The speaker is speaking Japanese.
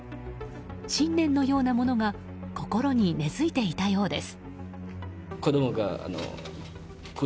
信念のようなものが心に根付いていたようです。